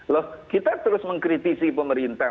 loh kita terus mengkritisi pemerintah